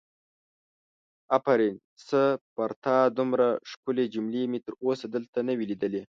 آفرین سه پر تا دومره ښکلې جملې مې تر اوسه دلته نه وي لیدلې!